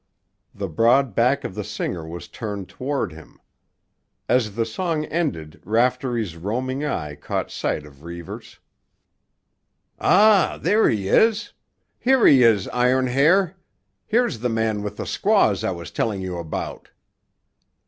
The broad back of the singer was turned toward him. As the song ended Raftery's roaming eye caught sight of Reivers. "Ah, there he is; here he is, Iron Hair. There's the man with the squaws I was telling you about."